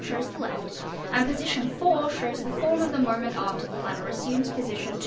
shows the left, and position V shows the former the moment after the latter assumes position II.